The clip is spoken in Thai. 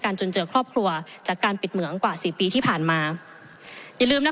จนเจอครอบครัวจากการปิดเหมืองกว่าสี่ปีที่ผ่านมาอย่าลืมนะ